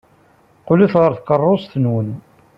Qqlet ɣer tkeṛṛust-nwen!